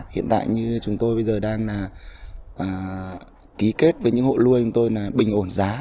hiện tại như chúng tôi bây giờ đang ký kết với những hộ nuôi chúng tôi là bình ổn giá